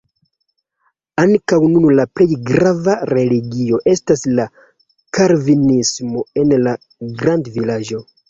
Ankaŭ nun la plej grava religio estas la kalvinismo en la grandvilaĝo.